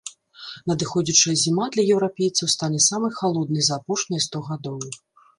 Надыходзячая зіма для еўрапейцаў стане самай халоднай за апошнія сто гадоў.